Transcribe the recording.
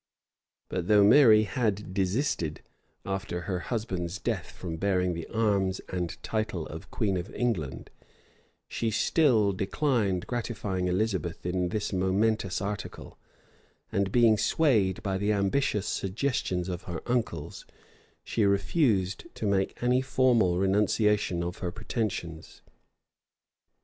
But though Mary had desisted, after her husband's death, from bearing the arms and title of Queen of England, she still declined gratifying Elizabeth in this momentous article; and being swayed by the ambitious suggestions of her uncles, she refused to make any formal renunciation of her pretensions.